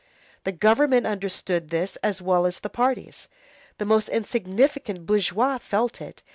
The Government understood this as well as the parties; the most insignificant bourgeois felt it.